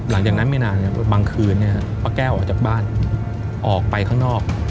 หลังจากนั้นไม่นานบางคืนป้าแก้วออกจากบ้านออกไปข้างนอก